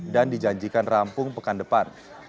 dan dijanjikan rampung pekan depan